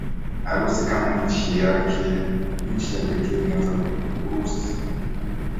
Urusi kama nchi ya pekee ilianza polepole pale ambako makabila ya wasemaji wa Kislavoni